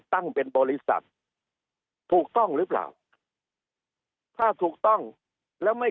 ตั้งเป็นบริษัทถูกต้องหรือเปล่าถ้าถูกต้องแล้วไม่